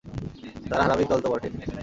তারা হারামীর দল তো বটে।